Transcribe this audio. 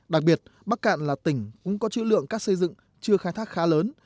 đặc biệt bắc cạn là tỉnh cũng có chữ lượng cát xây dựng chưa khai thác khá lớn